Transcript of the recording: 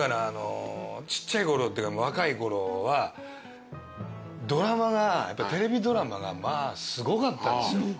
ちっちゃいころっていうか若いころはテレビドラマがまあすごかったんですよ。